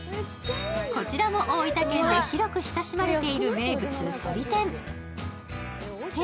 こちらも大分県で広く知られている名物とり天。